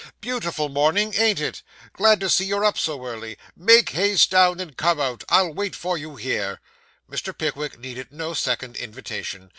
'Beautiful morning, ain't it? Glad to see you up so early. Make haste down, and come out. I'll wait for you here.' Mr. Pickwick needed no second invitation.